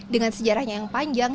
dengan sejarahnya yang panjang